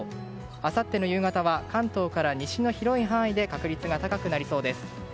あさっての夕方は関東から西の広い範囲で確率が高くなりそうです。